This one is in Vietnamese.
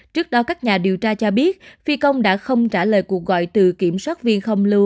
trước đó các nhà điều tra cho biết phi công đã không trả lời cuộc gọi từ kiểm soát viên không lưu